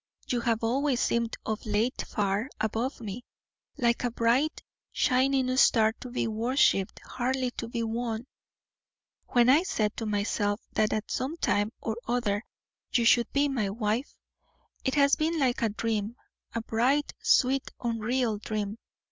You have always seemed of late far above me, like a bright shining star to be worshiped, hardly to be won. When I said to myself, that at some time or other you should be my wife, it has been like a dream a bright, sweet, unreal dream.